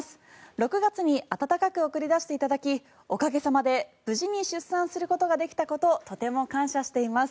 ６月に温かく送り出していただきおかげさまで無事に出産することができたこととても感謝しています。